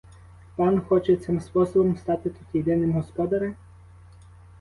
Пан хоче цим способом стати тут єдиним господарем?